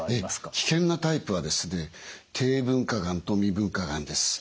危険なタイプはですね低分化がんと未分化がんです。